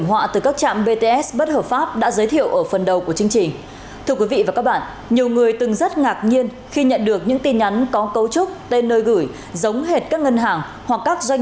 hoặc tổng đài trung tâm chăm sóc khách hàng